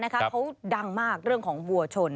เขาดังมากเรื่องของวัวชน